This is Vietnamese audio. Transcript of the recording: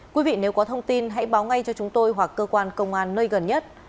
quý vị nếu có thông tin hãy báo ngay cho chúng tôi hoặc cơ quan công an nơi gần nhất